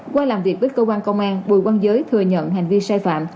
qua làm việc với cơ quan công an bùi văn giới thừa nhận hành vi sai phạm